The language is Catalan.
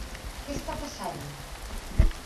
Què està passant?